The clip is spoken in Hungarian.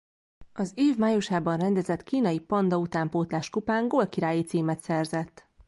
Az év májusában rendezett kínai Panda utánpótlás-kupán gólkirályi címet szerzett.